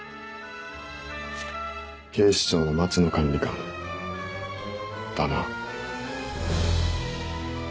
警視庁の町野管理官だな？